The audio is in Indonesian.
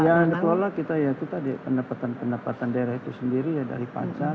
apbd ya yang dikelola kita ya itu tadi pendapatan pendapatan daerah itu sendiri ya dari pancas dan dari sumbabang